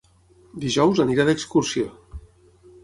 Dijous anirà d'excursió.